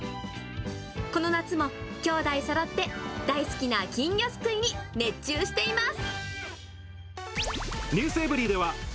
この夏もきょうだいそろって、大好きな金魚すくいに熱中しています。